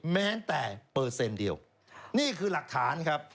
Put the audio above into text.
แม้แต่เปอร์เซ็นต์เดียวนี่คือหลักฐานครับ